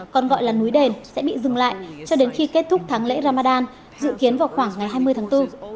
còn gọi là núi đền sẽ bị dừng lại cho đến khi kết thúc tháng lễ ramadan dự kiến vào khoảng ngày hai mươi tháng bốn